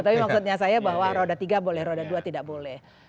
tapi maksudnya saya bahwa roda tiga boleh roda dua tidak boleh